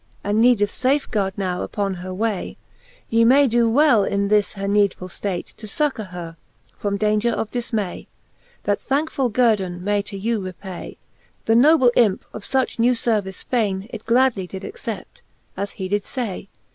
And needeth fafegard now upon her way, Ye may doe well in this her needfull ftate To fuccour her, from daunger of difmayj That thankfull guerdon may to you repay. The noble ympe, of fiich new fervice fayne. It gladly did accept, as he did fay.